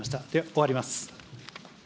終わります。